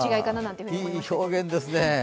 いい表現ですね。